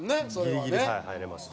ギリギリ入れました。